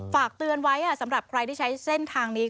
ฝากเตือนไว้สำหรับใครที่ใช้เส้นทางนี้